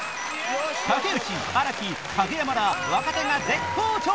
竹内新木影山ら若手が絶好調！